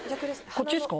こっちっすか？